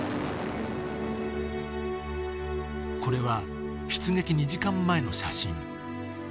これは、出撃２時間前の写真。